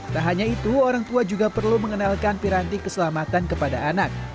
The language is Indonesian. tak hanya itu orang tua juga perlu mengenalkan piranti keselamatan kepada anak